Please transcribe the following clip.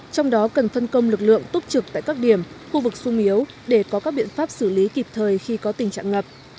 trong đó cần phân công lực lượng túc trực tại các điểm khu vực sung yếu để có các biện pháp xử lý kịp thời khi có tình trạng ngập